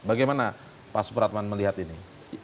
bagaimana pak supratman melihat ini